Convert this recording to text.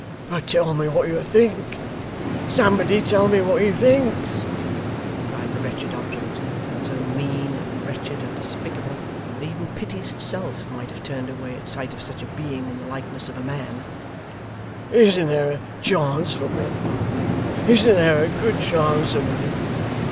'But tell me what you think. Somebody tell me what he thinks!' cried the wretched object, so mean, and wretched, and despicable, that even Pity's self might have turned away, at sight of such a being in the likeness of a man 'isn't there a chance for me, isn't there a good chance for me?